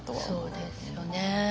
そうですよね。